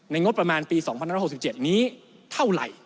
งบประมาณปี๒๑๖๗นี้เท่าไหร่